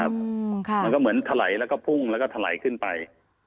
มันก็เหมือนทะไหลแล้วก็พุ่งแล้วก็ทะไหลขึ้นไป